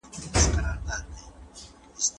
هغه وويل چي زده کړه مهمه ده!